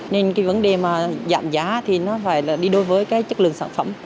nên vấn đề giảm giá phải đi đối với chất lượng sản phẩm